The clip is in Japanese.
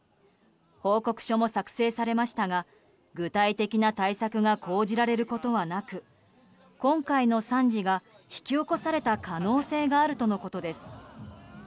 報告書も作成されましたが具体的な対策が講じられることはなく今回の惨事が引き起こされた可能性があるとのことです。